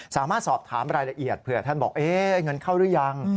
สามารถสอบถามรายละเอียดเผื่อท่านบอกเงินเข้าหรือยัง